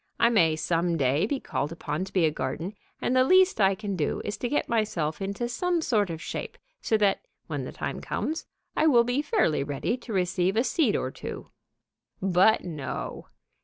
I may some day be called upon to be a garden, and the least I can do is to get myself into some sort of shape, so that, when the time comes, I will be fairly ready to receive a seed or two." But no!